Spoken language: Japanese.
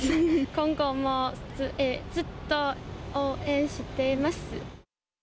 今後もずっと応援しています。